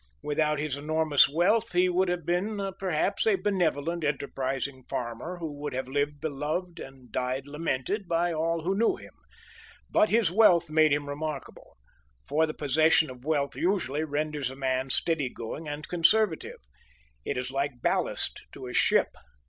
Without his enormous wealth he would have been, perhaps, a benevolent, enterprising farmer, who would have lived beloved and died lamented by all who knew him. But his wealth made him remarkable; for the possession of wealth usually renders a man steady going and conservative. It is like ballast to a ship.